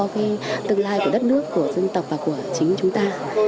cái tương lai của đất nước của dân tộc và của chính chúng ta